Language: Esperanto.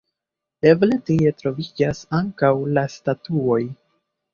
Eble tie troviĝas ankaŭ la statuoj?